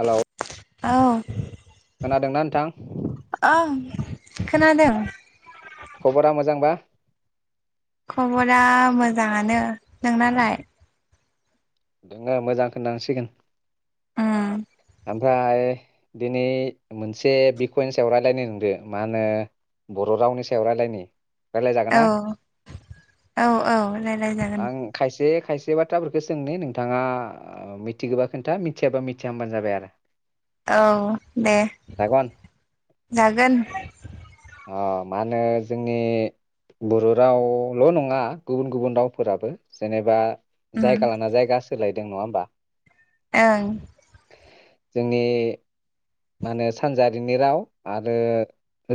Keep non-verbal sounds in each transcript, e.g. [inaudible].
हेल' औ। खोनादोंना नोंथां? ओं खोनादों। खबरा मोजांबा खबरा मोजाङानो नोंनालाय? दोङो मोजां खोनलांसिगोन। उम। ओमफ्राय दिनै मोनसे बिखइनि सायाव रायज्लायनि नोंदो मा होनो बर' रावनि सायाव राय्लायनि। औ औ औ रायलाय जागोन। आं खायसे खायसे बाथ्राफोरखौ सोंनि नों थाङा मिथिगोबा खोन्था मिथियाबा मिथिया होनबानो जाबाय आरो। औ दे जागोन जागोन। ओ मा होनो जोंनि बर' रावल' नङा गुबुन गुबुन रावफोराबो जेनेबा उम जायगालाना जायगासो लायदों नङा होमबा? ओं। जोंनि मा होनो सानजारिनि राव आरो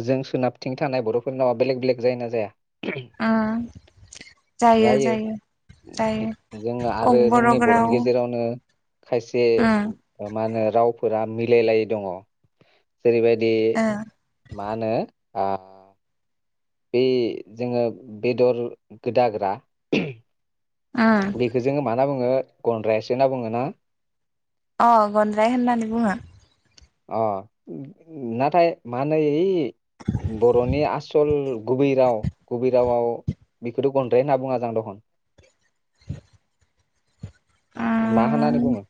जों सोनाबथिं थानाय बर'फोरनि रावा बेलेग बेलेग जायो ना जाया? ओ जायो जायो जायो जों आरो ककबर' जोंनि बर'नि राव गेजेरावनो खायसे उम मा होनो रावफोरा मिलायलायै दङ। जेरैबायदि ओ मा नो आ बे जोङो बेदर गोदाग्रा होम उम बेखो जोङो माना बोङो गन्द्रायसो ना बुङो ना? अ गन्द्राय होननानै बुङो। अ न-नाथाय माहोनो ओइ बर'नि आस सल गुबै राव गुबै रावाव बेखौथ' गद्राय होनना बुङो जं दखन। मा उम होननानै बुङो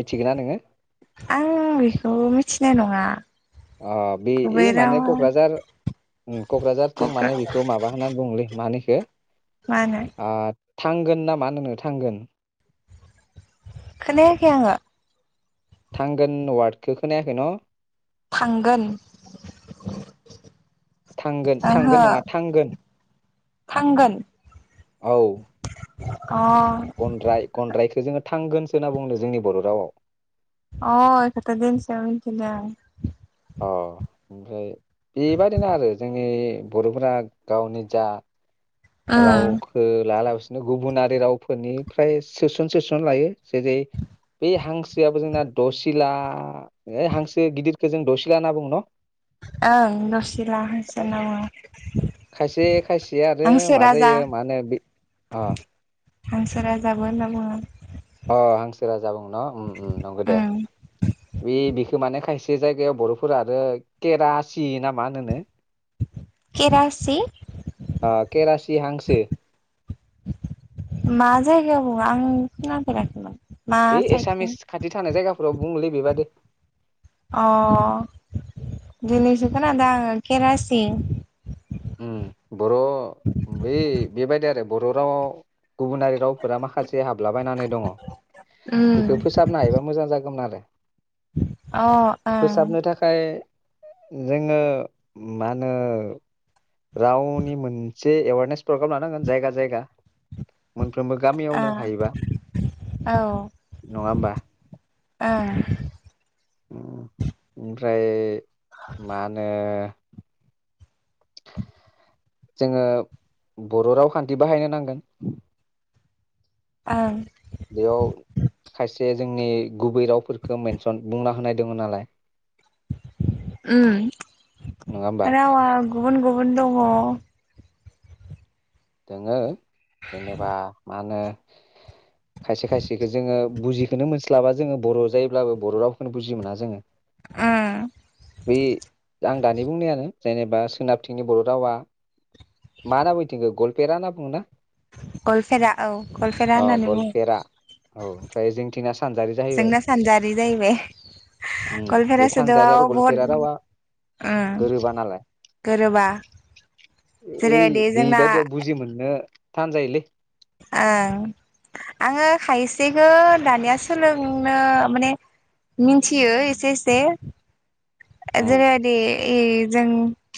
मिथिगोन ना नोङो? आ अ बे गुबै इ राव माने क'क्राझार ओम क'क्राझारथिं कक्रा माने बेखौ माबा होननानै बुङोलै मानै दे मानो? थांगोन नामा नोङो थांगोन। खोनायाखै आङो। थांगोन वार्ड खौ खोनायाखै न'? थांगोन। थांगोन थांगोन ओहो नङा थांगोन ‌। थांगोन औ। [inaudible] गनद्राय-गनद्रायखो जोङो थांगोनसो होनना बुंदों जोंनि बर' रावाव अ इखोथ' दिनैसो आं मिथिदों। अ ओमफ्राय बेबायदिनो आरो जोंनि बर'फोरा गावनि जा राव ओं खो ला ला गुबुनारि रावफोरनिफ्राय सोसन सोसन लायो जेरै बे हांसोआबो जोंना दसिला हांसो गिदिरखौ जों दसिला होनना बुङो न? ओं दसिला हांसो होनना बुङो। खायसे खायसे आरो हांसो मा राजा जायो मा होनो बे अ हांसो राजा होननाबो बुङो। अ हांसो राजा बुङो न' ओ ओ नंगौ दे ओम बे बिख माने खायसे जायगायाव बर'फोरा आरो केरासि मा होनोनो। केरासि सि हांसो। मा जायगायाव बुङो आं खोनाफेराखैमोन? मा है साइडथिं एसामिस खाथि थानाय जायगा फोराव बुङोलै बेबादि। अ दिनैसो खोनादों आं केरासि। उम्म। बर' बे बेबायदि आरो बर' रावआव गुबुनारि रावफोरा माखासे जे हाबलाबायनानै दङ उम बेखौ फोसाबनो हायोबा मोजां जागौमोन आरो। अ ओं। फोसाबनो थाखाय जोङो मा होनो रावनि मोनसे एवारनेस प्रग्राम लानांगोन जायगा जायगा। मोनफ्रोमबो गामियावनो हायोबा औ ओं नङा होमबा? ओमफ्राय मा होनो? जोङो बर' रावखान्थि बाहायनो नांगोन। ओं। बेयाव खायसे जोंनि गुबै रावफोरखौ मेनसन बुंना होनाय दङ नालाय। नङा होमबा उम्म रावआ गुबुन गुबुन दङ। दोङो। जेनेबा मा होनो? हम खायसे खायसेखो जोङो बुजि खौनो मोनस्लाबा जोङो बर' जायोब्लाबो बर' रावखौनो बुजि मोना जोङो। बे आं दानि बुंनायानो जेनेबा सोनाबथिंनि बर' रावा बेरा होनना बुंङोना गवलपेरा औ गवलपेरा अ होननानै गलपेरा औ बुंङो ओमफ्राय जोंथिंना सानजारि जाहैबाय जोंना सानजारि जाहैबाय उम बे गवालपेरा सानजारि सोदोबआव आरो बहुद गलपेरा रावा उम गोरोबा नालाय गोरोबा ओइ जेरैबायदि जोंना बेबायदियाव बुंजि मोननो नो थान जायोलै ओं आंङो खायसेखो दानिया सोलोंनो माने मिनथियो एसे-एसे उम जेरैबादि ए जों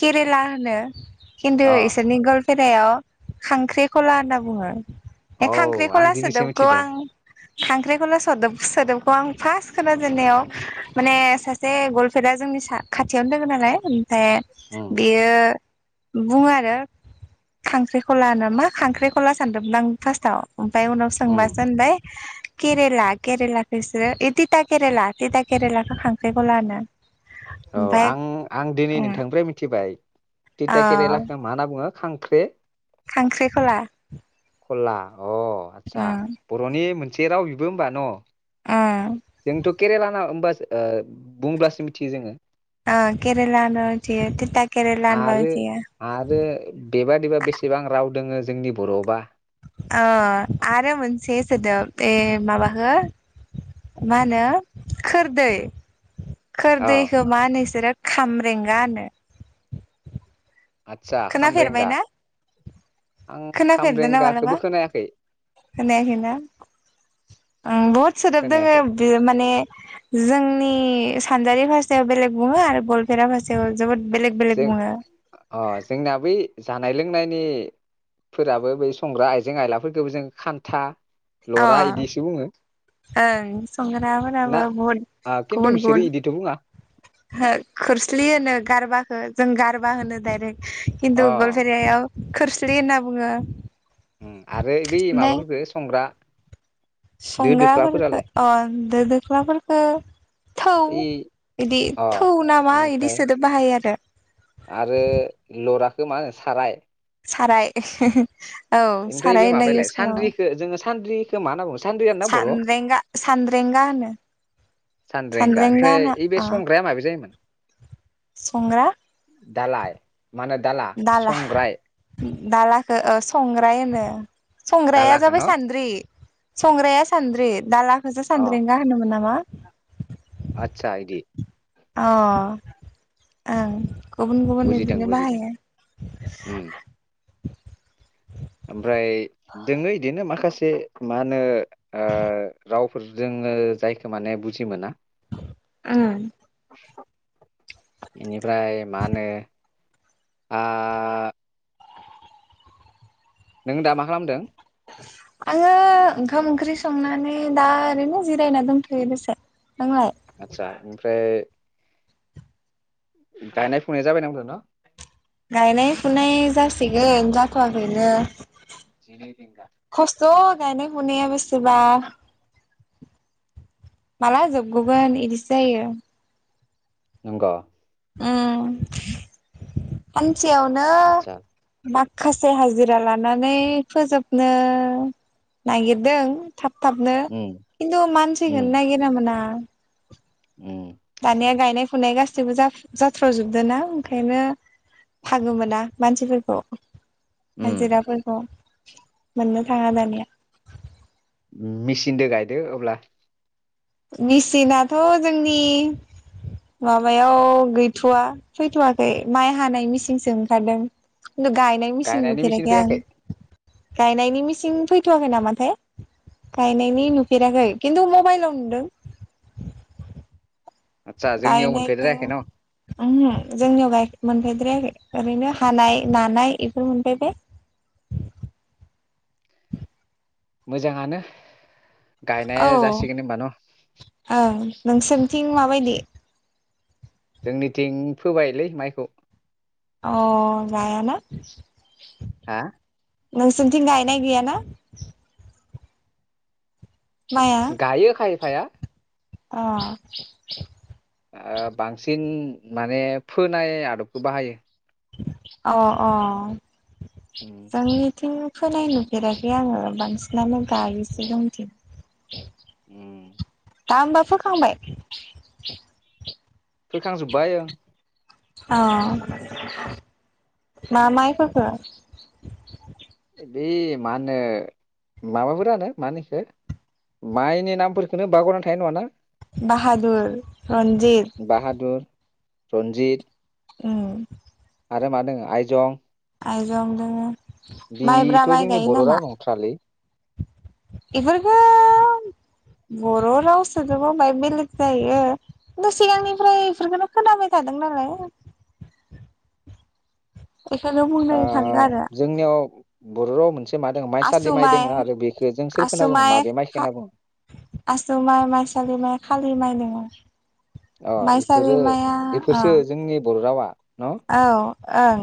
केरेला होनो खनथु अ इसोरनि गल फेरायाव खांख्रिखला होनना बुंङो ए औ आं खांख्रिखला दिनैसो सोदोबखौ मिथिदों आं खांख्रिखला सोदोब सोदोबखौ आं फास खोनाजेननायाव माने सासे गल फेरा जोंनि सा खाथियावनो दोंङो नालाय ओमफ्राय उम बियो बुंङो आरो खांख्रिखला नामा मा खांख्रिखला सानदोंमोन आं फासथाव ओमफ्राय उनाव उम सोंबासो होनबाय केरेला केरेलाखोसो इ तिथा केरेला तिथा केरेलाखो खांख्रिखला होनो औ ओमफ्राय आं आं दिनै उम नोंथांनिफ्राय मिथिबाय अ तिथा केरेलाखौ मा होनना बुंङो खां ख्रे खांख्रिखला खला अ आतसा उम बरनि मोनसे असे राव बिबो होनबा न उम जोंथ केरेला ना होमबा ओ बुंब्लासो मिथियो जोंङो आ केरेलानो मिथियो तिथा केरला होनबा आरो मिथियो आ। दोंङो जोंनि बर आवबा। अ आरो मोनसे सोदोब ए माब हो। मा होनो खोरदै। अ खोरदैै खो मा होनो‌ इसोरो। खामरेंगा होनो। आदसा खामब्रेंगा खोनाफेरबायना आं खोनाफेरदों ना मालाबा खामब्रेंगाखौबो खोनायाखै खोनायाखैना उम बहुद सोदोब दोंङो खोनायाखै बेयो माने जोंनि। ए सानजारि भारसायाव बेलेग बुंङो आरो गलपेरा भारसायाव। जोबोद बेलेग-बेलग जों बुंङो। अ जोंना बै जानाय लोंनायनिफोराबो बै संग्रा आइजें आयलाफोरखौबो जों खान्था। अ लरा इदिसो बुङो ओं संग्रा ना फोराबो बहुद आ खिन्थु बिसोरो गुबुन-गुबुन इदिथ' बुङा खोरस्लि होनो गारबाखो। जों गारबा होनो डाइरेक्ट। अ खिनटु गलफैरियाआव। खोरस्लि होनना बुङो। उम आरो बै ओमफ्राय माबाफोरखो संग्रा। दो संग्राफोरखो दोख्लाफोरालाय अ दो दोख्लाफोरखो थौ ओइ बिदि अ थौ नामा इदि बेनिफ्राय सोदोब बाहायो आरो। इखो मा होनो साराय। साराय। औ ओमफ्राय साराय बे होनना माबायालाय सानद्रिखो जोङो सानद्रि। मा होना बुंङो। सानद्रेंगा-सान्द्रेंगा होनो सान्द्रेंगा ओमफ्राय होना ओइ बे अ संग्राया माबे जायोमोन संग्रा। दालाय। मा होनो दाला संग्राय। दालाखो ओ संग्राय होनो। संग्राया दालाखौ जाबाय न' सान्द्रि। संग्राया सान्द्रि दाला। खोसो सानद्रेंगा होनोमोन नामा। आतसा इदि। अ ओं। गुबुन-गुबुन बुजिदों बिदिनो बुजिदों बाहायो। उम [unintelligible] ओमफ्राय दोङो इदिनो माखासे मा होनो ओ रावफोर जोङो जायखौ माने बुजि मोना। उम। बेनिफ्राय मा होनो आ नों दा मा खालामदों। आङो ओंखाम ओंख्रि संनानै दा ओरैनो जिरायना दंथ'यो बेसे नोंलाय। आतसा ओमफ्राय। गायनाय फुनाय जाबाय नांदों न गायनाय फुनाय जासिगोन जाथ'वाखैनो खस्थ' [unintelligible] गायनाय फुनाया बेसेबा माला जोबगगोन इदिसो जायो नोंंग उम सेयावनो आदसा मा खायसे हाजिरा लानानै फोजोबनो नागिरदों थाब थाबनो उम खिन्थु उम मानसिखोनो नागिरना मोना उम दानिया गायनाय फुनाय गासैबो जाथ्र'जोबदों ना ओंखायनो फागो मोना मानसिफोरखौ हाजिराफोरखौ। मोननो थाङा दानिया। मेचिदो गायदो अब्ला। मिचिना जोंनि लामाबायाव गैथवा फैथवाखै माइ हानाय मेचिनसो ओंखारदों। न्थु गायनाय मेसिन गायनायनि मेचिन नुफेराखै आं। फैयाखै गायनायनि मेसिन फैथवाखै नामाथाय गायनायनि नुफेराखै खिन्थु मबाइलाव। दों। आथसा जोंनियाव मोनफैद्रायाखै न। उहु जोंनियाव गाय मोनफैद्रायखै। ओरैनो हानाय उम नानाय। [unintelligible] मोजाङानो। औ गायनाया जासिगोन होनबा न। ओं नोंसोरनिथिं माबायदि? जोंनिथिं फोबायलै माइखौ। अ जायाना। हा? नोंसोरनिथिं गायनाय गैयाना। माइआ गायो खाय। फाया। अ। ओ बांसिन माने फोनाय आदबखौ बाहायो। अ अ। उम जोंनिथिं। फोनाय नुफेराखै आङो बांसिनानो गायोसो जोंथिं। उम बा होमबा फोखांबाय‌। [inaudible] फोखांजोब्बाय ओं। औ मा माइ फोखो। बे मा होनो माबाफोरानो मा होनो इखो माइनि नामफोरखोनो बगरना थायो नङा ना। बाहादुर रन्जित रनजित उम आरो मा दोङो आइजं आइजं दोङो माइब्रा बिथ माइ जोंनि बर राव नंथारालै। इफोरबो बर राव सोजोबाय माय बेलेग जायो खिन्थु सिगांनिफ्राय बेफोरखोनो खोनाबाय थादों नालाय। बेखायनो ओ बुंदों सानदों आरो जोंनियाव बर राव मोनसे मा दोङो माइसालि आसु माइ दोङो आरो बेखौ जों सोरखौ होनना आसु बुङो माय माबे माइखौ हा होनना बुङो आसु माइ माइ सालि माइ खालि माइ दोङो अ माइसालि इफोरो माइआ अ बेफोरसो जोंनि बर' रावा न' औ ओं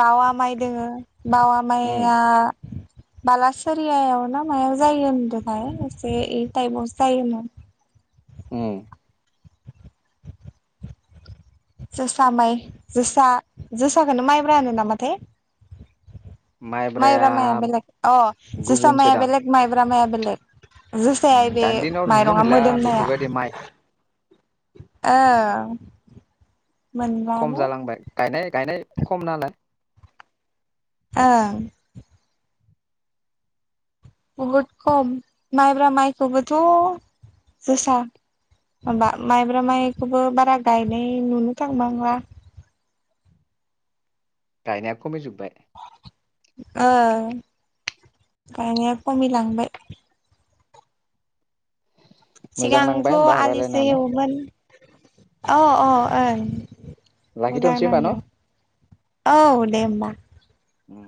बावा माइ दोङो बावा उम माइया बालासोरियायाव ना मायाव जायो होनदोथाय एसे इ टाइमावसो जायोमोन उम जोसा माइ जोसा जोसाखौनो माइब्रा होनो नामाथाय माइब्राया माइब्रामाया बेलेग अ जोसा माया गुबुनसोदां बेलेग माइब्रा माइया बेलेग जोसाया उम बे दानि दिनाव नुनो माइरङा मोनला मोदोमनाया बेफोरबायदि माइ ओ खम मोनलानो जालांबाय गायनाय गायनाय खम नालाय ओं बहुद खम माइब्रा माइखौबोथ जोसा माबा माइब्रा माइखौबो बारा गायनाय नुनो थांबांला गायनाया खमायजोबबाय ओ गायनाया खमिलांबाय मोजां सिगांथ नांबाय होमबा आलिसो रायलायनानै एवोमोन अह अह ओं मोजां लाखिथ'नोसै होमबा न' नांदों औ दे होमबा उम